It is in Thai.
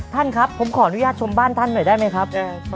ท่านครับผมขออนุญาตชมบ้านท่านหน่อยได้ไหมครับ